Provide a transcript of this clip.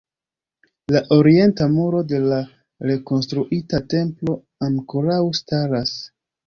La Orienta Muro de la rekonstruita Templo ankoraŭ staras.